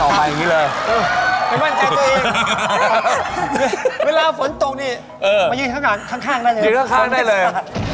มันกดตัวเองเวลาฝนตกหยิงข้างได้เลย